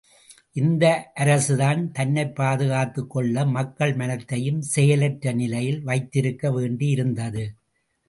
இந்த அரசுதான் தன்னைப் பாதுகாத்துக் கொள்ள மக்கள் மனத்தையும் செயலற்ற நிலையில் வைத்திருக்க வேண்டியிருந்தது.